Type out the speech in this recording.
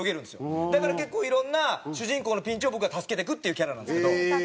だから結構いろんな主人公のピンチを僕は助けていくっていうキャラなんですけど。